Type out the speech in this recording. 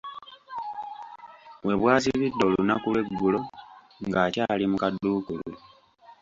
We bwazibidde olunaku lw'eggulo, ng'akyali mu kaduukulu.